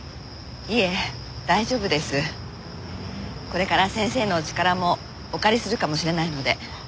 これから先生のお力もお借りするかもしれないので。